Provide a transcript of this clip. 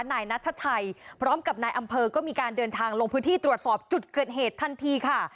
นายนัทชัยพร้อมกับนายอำเภอก็มีการเดินทางลงพื้นที่ตรวจสอบจุดเกิดเหตุทันทีค่ะ